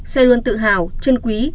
sẽ luôn tự hào chân quý